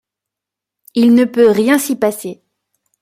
Il ne peut rien s’y passer !